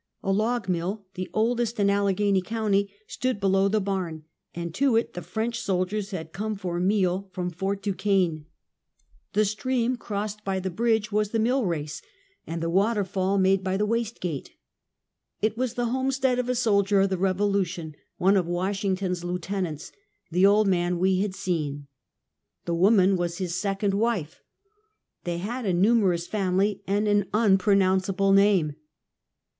A log mill, the oldest in Allegheny county, stood below the barn, and to it the French soldiers liad come for meal from Fort Du quesne. The stream crossed by the bridge was the 30 Half a Centuey. mill race, and the waterfall made by the waste gate. It was the homestead of a soldier of the Revolution, one of Washington's lieutenants — the old man we had seen. The woman was his second wife. They had a numerous family, and an unpronounceable name.